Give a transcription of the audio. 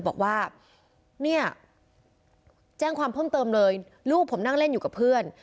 บอกว่าเนี่ยแจ้งความเพิ่มเติมเลยลูกผมนั่งเล่นอยู่กับเพื่อน